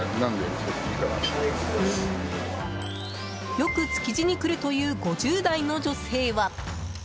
よく築地に来るという５０代の女性は。